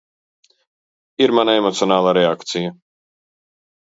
!, ir mana emocionālā reakcija.